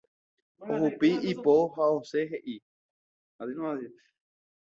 Ohupi ipo ha osẽ he'i.